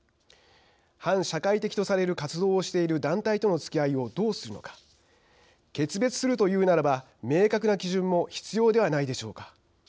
反社会的とされる活動をしている団体とのつきあいをどうするのか決別するというならば明確な基準も必要ではないでしょうか。